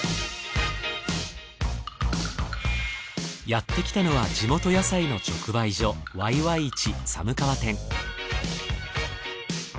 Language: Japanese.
やってきたのは地元野菜の直売所わいわい市寒川店。